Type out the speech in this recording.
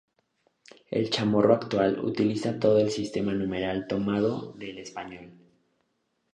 El chamorro actual utiliza todo el sistema numeral tomado del español.